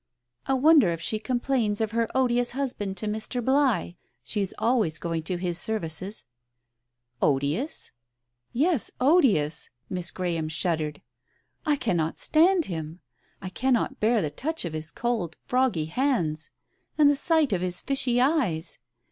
"I wonder if she complains of her odious husband to Mr. Bligh. She is always going to his services." "Odious?" "Yes, odious 1 " Miss Graham shuddered. "I cannot stand him ! I cannot bear the touch of his cold froggy hands, and the sight of his fishy eyes